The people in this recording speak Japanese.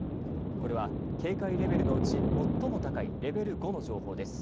これは警戒レベルのうち最も高いレベル５の情報です。